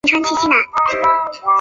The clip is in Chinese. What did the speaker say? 库页堇菜为堇菜科堇菜属的植物。